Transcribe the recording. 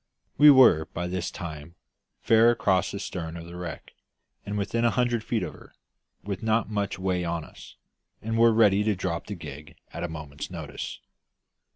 We were by this time fair across the stern of the wreck, and within a hundred feet of her, with not much way on us, and were ready to drop the gig at a moment's notice.